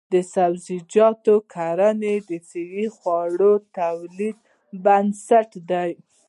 د سبزیجاتو کرنه د صحي خوړو د تولید بنسټ دی.